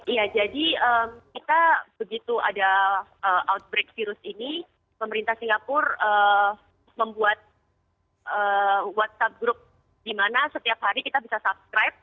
iya jadi kita begitu ada outbreak virus ini pemerintah singapura membuat whatsapp group di mana setiap hari kita bisa subscribe